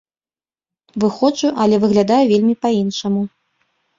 Выходжу, але выглядаю вельмі па-іншаму.